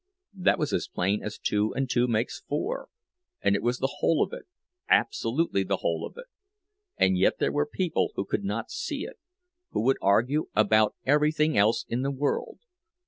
That was as plain as two and two makes four; and it was the whole of it, absolutely the whole of it; and yet there were people who could not see it, who would argue about everything else in the world.